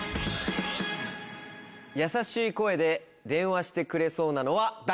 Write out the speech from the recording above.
優しい声で電話してくれそうなのは誰？